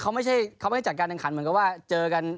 เขาไม่ใช่จัดการทางขันเหมือนกับว่าเจอกัน